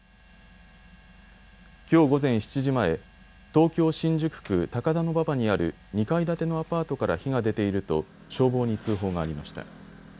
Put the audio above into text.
きょう午前７時前、東京新宿区高田馬場にある２階建てのアパートから火が出ていると消防に通報がありました。